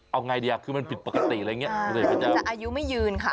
เอาไงเดี๋ยวคือมันผิดปกติอะไรอย่างเงี้ยเอาอยู่ไม่ยืนค่ะ